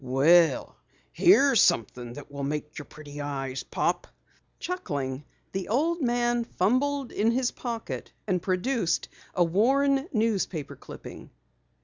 "Well, here's something that will make your pretty eyes pop." Chuckling, the old man fumbled in his pocket and produced a worn newspaper clipping.